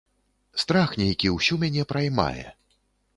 Страх нейкі ўсю мяне праймае.